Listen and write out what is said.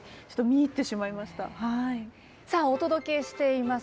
さあお届けしています